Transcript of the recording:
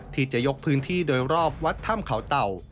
ที่จะยกพื้นที่โดยรอบวัดถ้ำเขาเต่า